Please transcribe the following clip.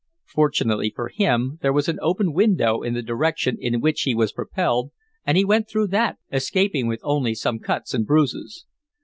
Fortunately for him, there was an open window in the direction in which he was propelled, and he went through that, escaping with only some cuts and bruises.